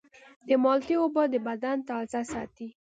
د مالټې اوبه د بدن تازه ساتي.